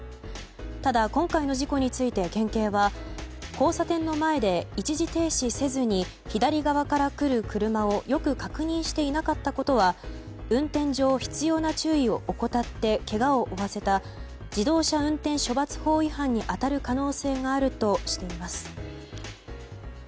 ただ、今回の事故について県警は交差点の前で一時停止せずに左側から来る車をよく確認していなかったことは運転上、必要な注意を怠ってけがを負わせた自動車運転処罰法違反に当たる可能性があるとしています。